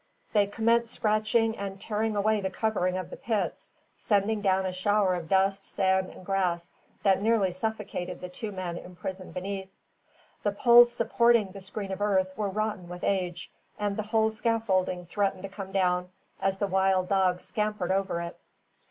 They commenced scratching and tearing away the covering of the pits, sending down a shower of dust, sand, and grass that nearly suffocated the two men imprisoned beneath. The poles supporting the screen of earth were rotten with age, and the whole scaffolding threatened to come down as the wild dogs scampered over it.